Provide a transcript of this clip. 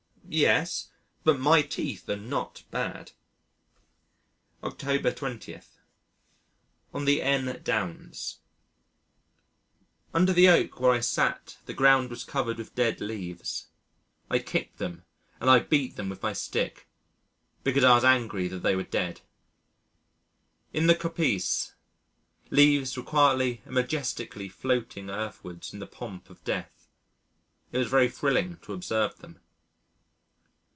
Yes, but my teeth are not bad. October 20. On the N. Downs Under the oak where I sat the ground was covered with dead leaves. I kicked them, and I beat them with my stick, because I was angry that they were dead. In the coppice, leaves were quietly and majestically floating earthwards in the pomp of death. It was very thrilling to observe them.